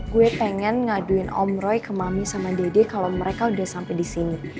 gue pengen ngaduin om roy ke mami sama deddy kalo mereka udah sampe disini